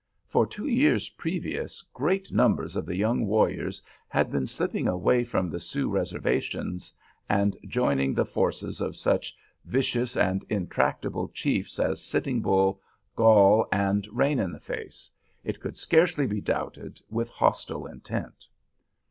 For two years previous great numbers of the young warriors had been slipping away from the Sioux reservations and joining the forces of such vicious and intractable chiefs as Sitting Bull, Gall, and Rain in the face, it could scarcely be doubted, with hostile intent.